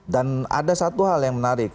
dan ada satu hal yang menarik